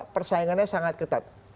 persaingannya sangat ketat